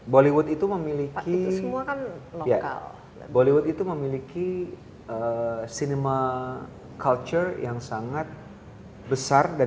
bollywood itu memiliki semua kan lokal bollywood itu memiliki cinema culture yang sangat besar dan